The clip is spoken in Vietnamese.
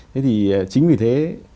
thế thì chính vì thế